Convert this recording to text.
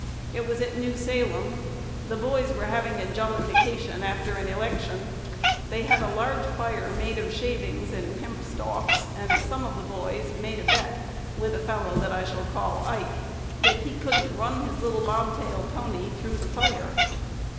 It was at New Salem. The boys were having a jollification after an election. They had a large fire made of shavings and hemp stalks; and some of the boys made a bet with a fellow that I shall call 'Ike,' that he couldn't run his little bob tail pony through the fire.